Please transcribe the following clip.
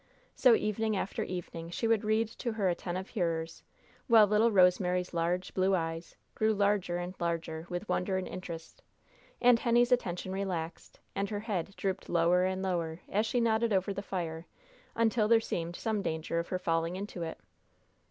So evening after evening she would read to her attentive hearers, while little Rosemary's large, blue eyes grew larger and larger with wonder and interest, and Henny's attention relaxed, and her head drooped lower and lower, as she nodded over the fire, until there seemed some danger of her falling into it.